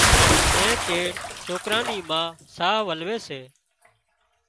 اين چيڙ سوڪران نِي ما ساهَ ولوي سي۔